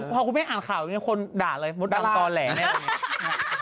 พอคุณแม่งอ่านข่าวอยู่คนด่าเลยมดลำตอแหล่แน่ตัวเนี่ย